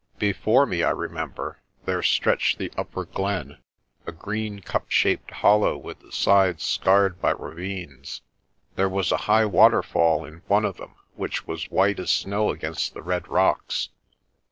Before me, I remember, there stretched the upper glen, a green cup shaped hollow with the sides scarred by ravines. There was a high waterfall in one of them which was white as snow against the red rocks.